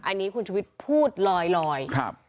อันนี้คุณชุวิตพูดลอย